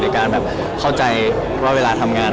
การแบบเข้าใจว่าเวลาทำงาน